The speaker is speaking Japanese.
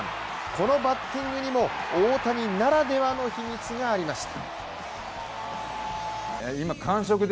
このバッティングにも大谷ならではの秘密がありました。